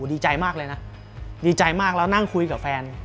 ดีใจมากเลยนะดีใจมากแล้วนั่งคุยกับแฟน